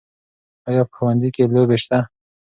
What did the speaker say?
آیا په ښوونځي کې لوبې سته؟